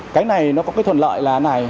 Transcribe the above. cái này nó có cái thuần lợi là này